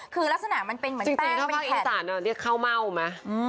คือลักษณะมันเป็นเหมือนแป้งจริงถ้าภาคอินสตาร์นเนี่ยเรียกข้าวเม่าไหม